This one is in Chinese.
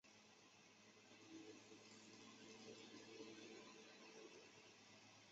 细银汉鱼属为辐鳍鱼纲银汉鱼目银汉鱼科的其中一属。